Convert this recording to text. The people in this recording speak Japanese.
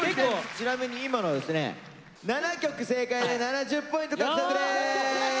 ちなみに今のはですね７曲正解で７０ポイント獲得です！